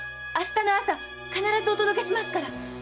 明日の朝必ずお届けしますから！